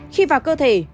khi vào cơ thể